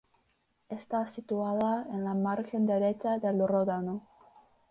Está situada en la margen derecha del Ródano.